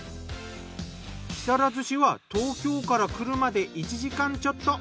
木更津市は東京から車で１時間ちょっと。